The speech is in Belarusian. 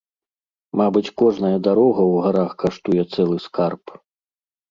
Мабыць, кожная дарога ў гарах каштуе цэлы скарб.